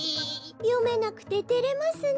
よめなくててれますね。